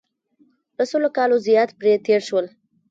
له سلو کالو زیات پرې تېر شول.